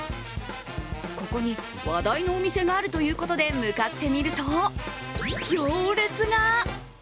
ここに話題のお店があるということで向かってみると、行列が。